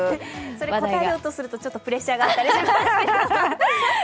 それ答えようとするとちょっとプレッシャーがあったりします。